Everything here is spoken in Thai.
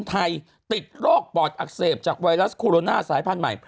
ไทยติดโรคปอดอักเสบจากไวรัสโคโรนาสายพันธุ์ใหม่